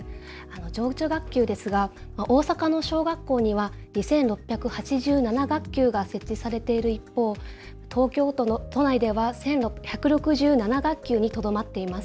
情緒学級ですが大阪府の小学校には２６８７学級が設置されている一方、東京都の都内では１６７学級にとどまっています。